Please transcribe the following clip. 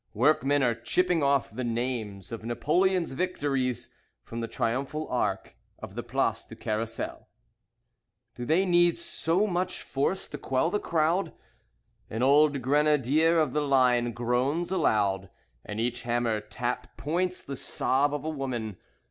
Workmen are chipping off the names of Napoleon's victories From the triumphal arch of the Place du Carrousel. Do they need so much force to quell the crowd? An old Grenadier of the line groans aloud, And each hammer tap points the sob of a woman.